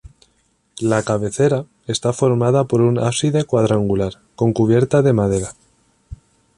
La cabecera está formada por un ábside cuadrangular con cubierta de madera.